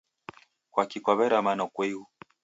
Kwaki kwaw'erama nokoighu?